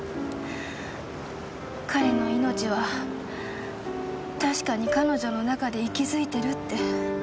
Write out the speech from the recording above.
彼の命は確かに彼女の中で息づいてるって。